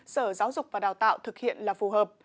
sở giáo dục và đào tạo thực hiện là phù hợp